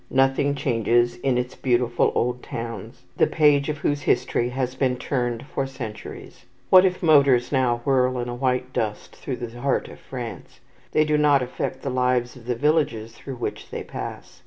Nothing changes in its beautiful old towns, the page of whose history has been turned for centuries. What if motors now whirl in a white dust through the heart of France? They do not affect the lives of the villages through which they pass.